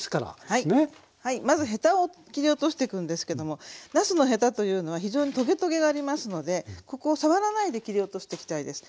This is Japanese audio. はいまずヘタを切り落としていくんですけどもなすのヘタというのは非常にとげとげがありますのでここを触らないで切り落としていきたいです。